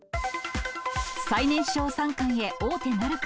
最年少三冠へ、王手なるか。